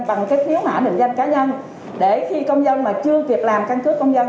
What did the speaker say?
bằng cái phiếu mã định danh cá nhân để khi công dân mà chưa việc làm căn cứ công dân